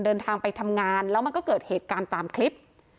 เดินทางไปทำงานแล้วมันก็เกิดเหตุการณ์ตามคลิป